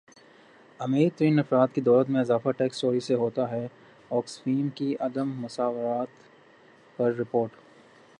امیر ترین افراد کی دولت میں اضافہ ٹیکس چوری سے ہوتا ہےاکسفیم کی عدم مساوات پر رپورٹ